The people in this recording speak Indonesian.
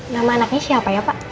nama anaknya siapa ya pak